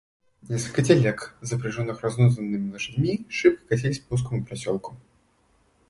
Несколько телег, запряженных разнузданными лошадьми, шибко катились по узкому проселку.